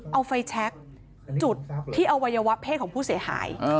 เอาไฟแชคจุดที่อวัยวะเพศของผู้เสียหาย